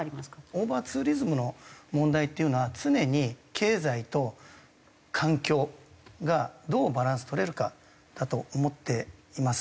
オーバーツーリズムの問題っていうのは常に経済と環境がどうバランス取れるかだと思っています。